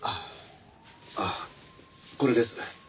あっこれです。